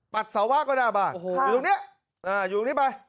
ปัดสาวะก็หน้าบ้านโอ้โหอยู่เนี้ยอ่าอยู่ตรงนี้ไป